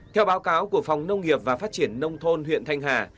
theo báo cáo của phòng nông nghiệp và phát triển nông thôn huyện thanh hà